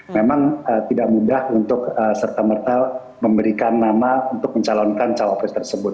memang tidak mudah untuk serta merta memberikan nama untuk mencalonkan cawapres tersebut